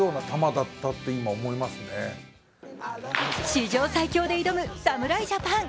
史上最強で挑む侍ジャパン。